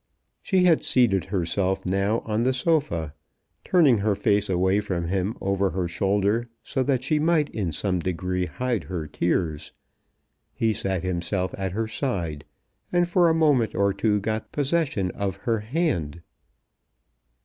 She had seated herself now on the sofa, turning her face away from him over her shoulder so that she might in some degree hide her tears. He sat himself at her side, and for a moment or two got possession of her hand.